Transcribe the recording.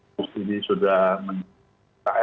harus jadi sudah mengetahui